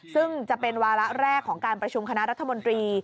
ซึ่งจะเป็นวาระแรกของการประชุมคณะรัฐมนตรี